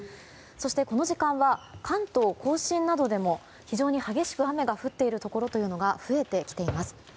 そしてこの時間は関東・甲信などでも非常に激しく雨が降っているところが増えてきています。